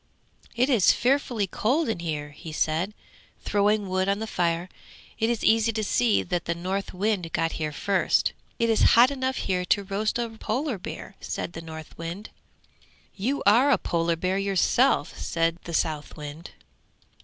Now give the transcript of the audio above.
'It is fearfully cold in here,' he said, throwing wood on the fire; 'it is easy to see that the Northwind got here first!' 'It is hot enough here to roast a polar bear,' said the Northwind. 'You are a polar bear yourself!' said the Southwind.